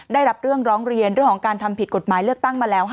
ได้รับเรื่องร้องเรียนเรื่องของการทำผิดกฎหมายเลือกตั้งมาแล้ว